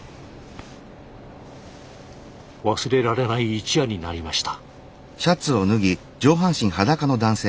忘れられない一夜になりました。